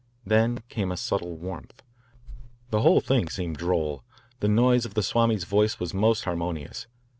Then came a subtle warmth. The whole thing seemed droll; the noise of the Swami's voice was most harmonious.